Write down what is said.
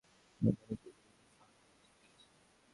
সেখানকার মাদ্রাসার বইয়ে অন্য ধর্মের লেখক, ভিন্ন ধর্ম নিয়ে লেখা আছে।